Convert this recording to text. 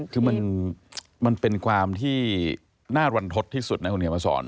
คือมันเป็นความที่น่ารันทศที่สุดนะคุณเขียนมาสอน